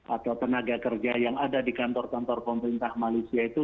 atau tenaga kerja yang ada di kantor kantor pemerintah malaysia itu